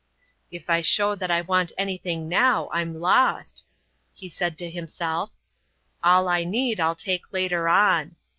"If I show that I want anything now, I'm lost," he said to himself. "All I need I'll take later on."